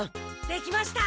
できました。